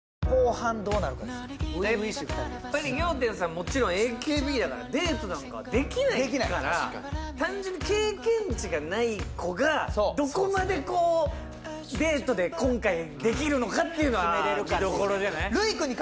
もちろんＡＫＢだからデートなんかできないから確かに単純に経験値がない子がどこまでデートで今回できるのかっていうのは見どころじゃない？